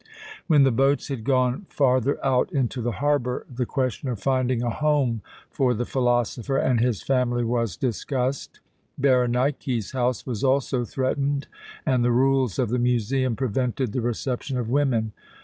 When the boats had gone farther out into the harbour the question of finding a home for the philosopher and his family was discussed. Berenike's house was also threatened, and the rules of the museum prevented the reception of women.